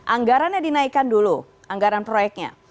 anggarannya dinaikkan dulu anggaran proyeknya